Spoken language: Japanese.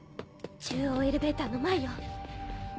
中央エレベーターの前よ。